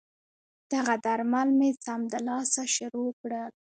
دغه درمل مې سمدلاسه شروع کړل.